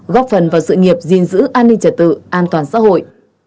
góp phần vào sự nghiệp gìn giữ an ninh trật tự an toàn xã hội